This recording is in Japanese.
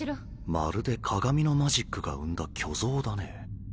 まるで鏡のマジックが生んだ虚像だねぇ。